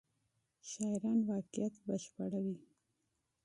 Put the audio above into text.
شاعران واقعیت بشپړوي.